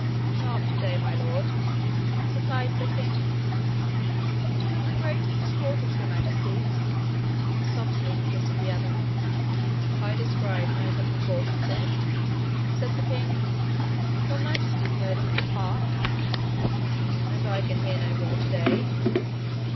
'Not today, my lord,' replied the king. 'It is of the greatest importance, Your Majesty,' softly insisted the other. 'I descried no such importance in it,' said the king. 'Your Majesty heard but a part.' 'And I can hear no more today.'